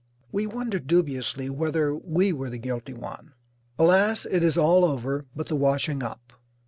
We wonder dubiously whether we were the guilty one. Alas, it is all over but the washing up.